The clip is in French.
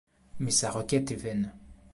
Mais sa requête est vaine.